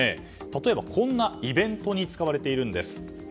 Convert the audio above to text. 例えば、こんなイベントに使われているんです。